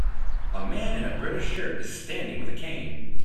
A man in a British shirt is standing with a cane.